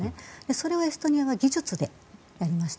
それをエストニアは技術でやりました。